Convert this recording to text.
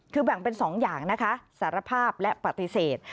คือแบ่งเป็น๒อย่างนะคะสารภาพและปฏิเสธ